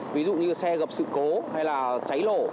ví dụ như xe gặp sự cố hay là cháy nổ